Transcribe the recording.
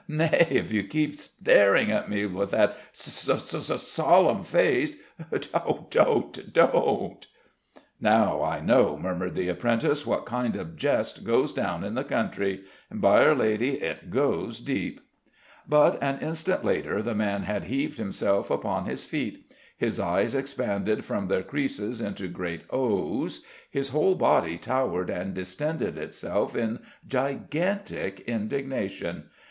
Nay, if you keep st staring at me with that s sol ol ol emn face. Don't oh, don't!" "Now I know," murmured the apprentice, "what kind of jest goes down in the country: and, by'r Lady, it goes deep!" But an instant later the man had heaved himself upon his feet; his eyes expanded from their creases into great O's; his whole body towered and distended itself in gigantic indignation.